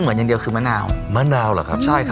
โปรดติดตามต่อไป